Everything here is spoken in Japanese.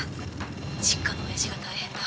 「実家のおやじが大変だ！